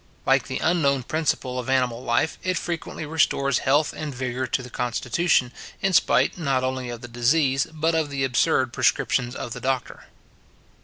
Like the unknown principle of animal life, it frequently restores health and vigour to the constitution, in spite not only of the disease, but of the absurd prescriptions of the doctor.